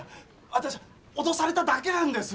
私脅されただけなんです。